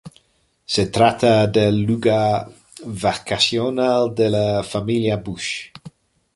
Se trata del lugar vacacional de la Familia Bush.